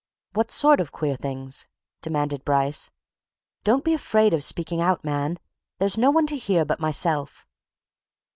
"What sort of queer things?" demanded Bryce. "Don't be afraid of speaking out, man! there's no one to hear but myself."